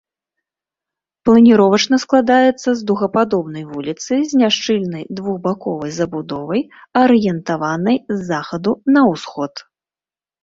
Планіровачна складаецца з дугападобнай вуліцы з няшчыльнай двухбаковай забудовай, арыентаванай з захаду на ўсход.